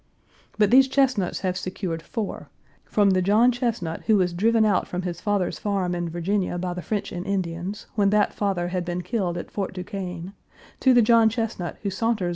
But these Chesnuts have secured four, from the John Chesnut who was driven out from his father's farm in Virginia by the French and Indians, when that father had been killed at Fort Duquesne,2 to the John Chesnut who saunters 1.